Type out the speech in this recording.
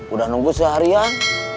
udah nunggu seharian